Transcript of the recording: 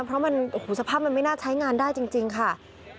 เพราะมันโอ้โหสภาพมันไม่น่าใช้งานได้จริงค่ะ